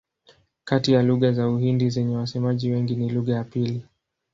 Kati ya lugha za Uhindi zenye wasemaji wengi ni lugha ya pili.